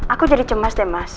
aku jadi cemas deh mas